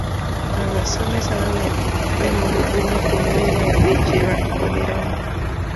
Abasomesa beemulugunya ku mbeera embi gye bakoleramu.